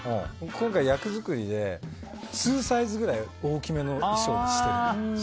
今回、役作りで２サイズくらい大きめの衣装にしてるんです。